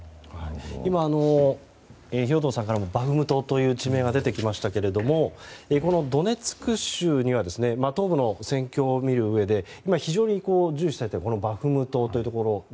今、兵頭さんからもバフムトという地名が出てきましたがドネツク州には東部の戦況を見るうえで非常に重視されているバフムトというところ。